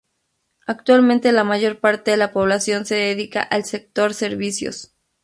Actualmente la mayor parte de la población se dedica al sector servicios.